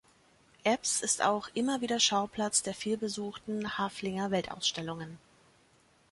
Ebbs ist auch immer wieder Schauplatz der vielbesuchten Haflinger-Weltausstellungen.